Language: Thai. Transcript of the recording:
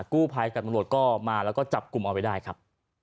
กู้ภายกับมรวดมาแล้วก็จับกลุ่มออกไปได้ครับ